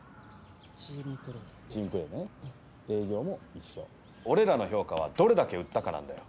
チームプレー・・チームプレーね・営業も一緒俺らの評価はどれだけ売ったかなんだよ。